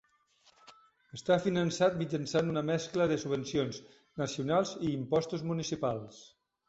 Està finançat mitjançant una mescla de subvencions nacionals i impostos municipals.